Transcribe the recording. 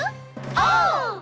オー！